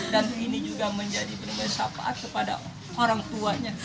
dan ini juga menjadi penuh bersyapaat kepada orang tuanya